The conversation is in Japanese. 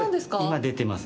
今、出てます。